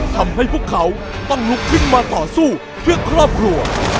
ทำให้พวกเขาต้องลุกขึ้นมาต่อสู้เพื่อครอบครัว